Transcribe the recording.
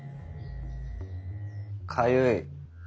かゆいッ。